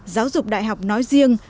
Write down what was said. giáo dục đại học nói riêng